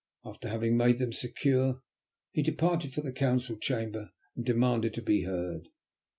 After having made them secure, he departed for the council chamber and demanded to be heard.